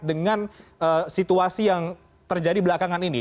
dengan situasi yang terjadi belakangan ini